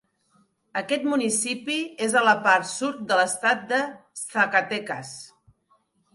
Aquest municipi és a la part sud de l'estat de Zacatecas.